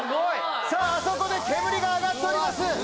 さぁあそこで煙が上がっております。